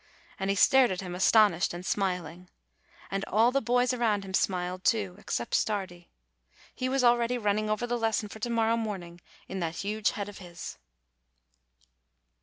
and he stared at him, astonished and smiling. And all the boys around him smiled too, except Stardi. He was already running over the lesson for to morrow morning in that huge head of his.